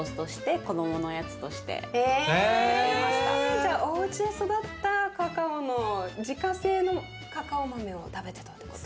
じゃあおうちで育ったカカオの自家製のカカオ豆を食べてたってこと？